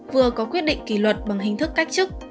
vừa có quyết định kỷ luật bằng hình thức cách chức